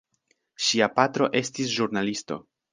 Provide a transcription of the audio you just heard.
Ŝia patro estis ĵurnalisto.